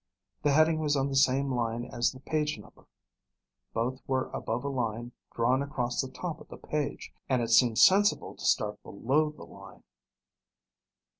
The heading was on the same line as the page number. Both were above a line drawn across the top of the page, and it seemed sensible to start below the line.